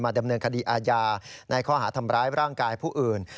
ดำเนินคดีอาญาในข้อหาทำร้ายร่างกายผู้อื่น